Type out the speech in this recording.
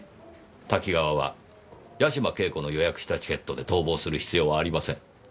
多岐川は八島景子の予約したチケットで逃亡する必要はありません。